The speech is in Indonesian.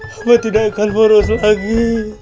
hamba tidak akan moros lagi